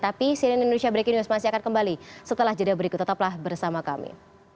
tapi cnn indonesia breaking news masih akan kembali setelah jeda berikut tetaplah bersama kami